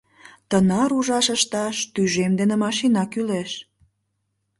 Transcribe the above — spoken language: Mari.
Тынар ужаш ышташ тӱжем дене машина кӱлеш.